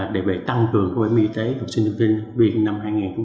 để tăng cường bảo hiểm y tế học sinh sinh viên việt năm hai nghìn một mươi chín